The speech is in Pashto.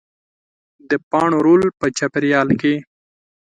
د پاڼو رول په چاپېریال کې